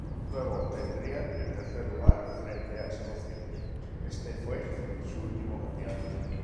Luego obtendrían el Tercer lugar frente a Escocia, este fue su último mundial.